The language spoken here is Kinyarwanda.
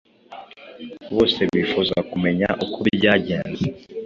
Bose bifuza kumenya uko byagenze.